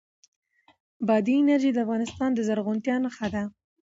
بادي انرژي د افغانستان د زرغونتیا نښه ده.